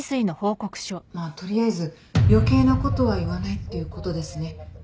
まあ取りあえず余計なことは言わないっていうことですね。